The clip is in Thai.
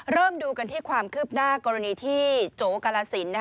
เริ่มดูกันที่ความคืบหน้ากรณีที่โจกาลสิน